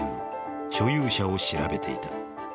所有者を調べていた。